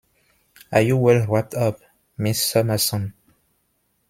Are you well wrapped up, Miss Summerson?